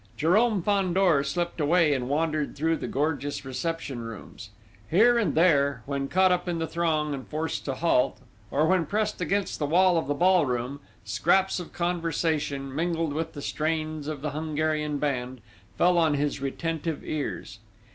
Jérôme Fandor slipped away and wandered through the gorgeous reception rooms. Here and there, when caught up in the throng and forced to halt, or when pressed against the wall of the ball room, scraps of conversation, mingled with the strains of the Hungarian band, fell on his retentive ears.